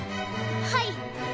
はい！